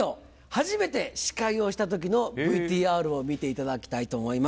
初めて司会をした時のＶＴＲを見ていただきたいと思います。